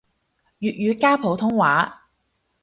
粵語加普通話